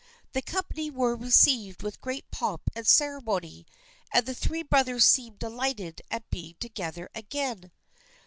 The company were received with great pomp and ceremony, and the three brothers seemed delighted at being together again.